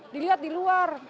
dilihat di luar